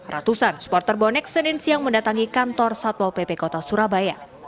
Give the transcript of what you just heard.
ratusan supporter bonek senin siang mendatangi kantor satpol pp kota surabaya